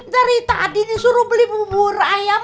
dari tadi nih suruh beli bubur ayam